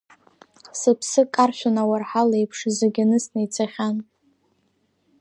Сыԥсы каршәын ауарҳалеиԥш, зегь анысны ицахьан.